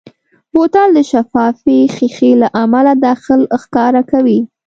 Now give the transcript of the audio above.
بوتل د شفافې ښیښې له امله داخل ښکاره کوي.